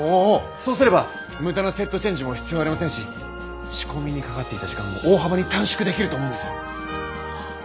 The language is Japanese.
そうすれば無駄なセットチェンジも必要ありませんし仕込みにかかっていた時間も大幅に短縮できると思うんです。